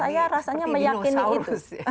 dan saya rasanya meyakini itu